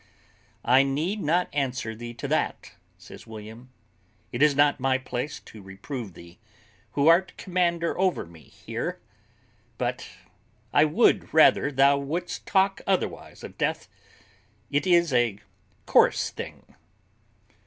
"I need not answer thee to that," says William; "it is not my place to reprove thee, who art commander over me here; but I would rather thou wouldst talk otherwise of death; it is a coarse thing."